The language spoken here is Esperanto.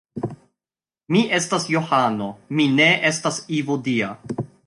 Mi estas Johano, mi ne estas Evildea.